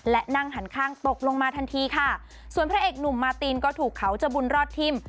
และนั่งหันข้างตกลงมาทันทีค่ะส่วนพระเอกหนุ่มมาตินก็ถูกเขาจะบุญรอดทิ่ม